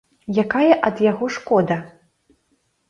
Якая ад яго шкода?